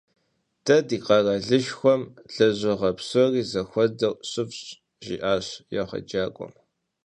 De di kheralışşxuem lejığe psori zexuedeu şıf'ş, - jji'aş yêğecak'uem.